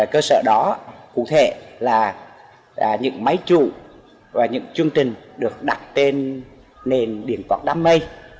cơ sở đó cụ thể là những máy trụ và những chương trình được đặt tên nền điện quạt đám mây